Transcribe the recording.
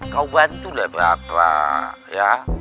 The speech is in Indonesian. kau bantu lah bapak ya